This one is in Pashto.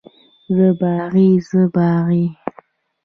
زه باغي، زه باغي.